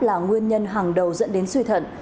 là nguyên nhân hàng đầu dẫn đến suy thận